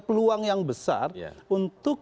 peluang yang besar untuk